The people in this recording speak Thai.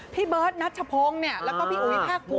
พี่เบิร์ตณัชโพงแล้วพี่อุ๋ยแภกกุ้ม